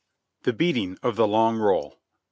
The beating of the long roll !